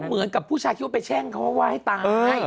เหมือนกับผู้ชายคิดว่าไปแช่งเขาว่าให้ตาย